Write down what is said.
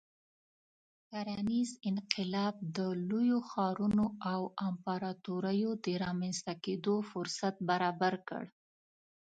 کرنیز انقلاب د لویو ښارونو او امپراتوریو د رامنځته کېدو فرصت برابر کړ.